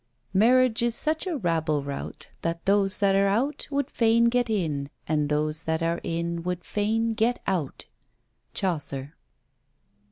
Marriage is such a rabble rout; That those that are out, would fain get in; And those that are in, would fain get out. CHAUCER.